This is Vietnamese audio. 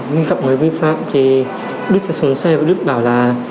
nhưng gặp mấy vi phạm thì bước xuống xe và bước bảo là